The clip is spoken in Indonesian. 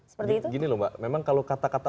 seperti gini loh mbak memang kalau kata kata